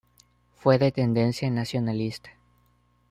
Fue de tendencia nacionalista.